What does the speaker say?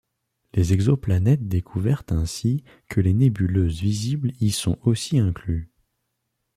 Les exoplanètes découvertes ainsi que les nébuleuses visibles y sont aussi inclus.